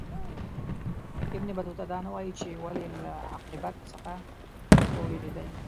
ابن بطوطه دا نه وايي چې ولي له عاقبت څخه ووېرېدی.